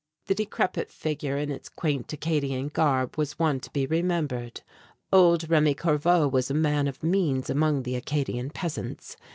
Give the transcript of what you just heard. The decrepit figure in its quaint Acadian garb was one to be remembered. Old Remi Corveau was a man of means among the Acadian peasants.